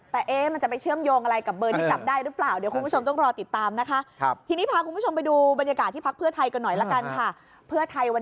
แต่เอ๊ะมันจะไปเชื่อมโยงอะไรกับเบอร์ที่กลับได้หรือเปล่า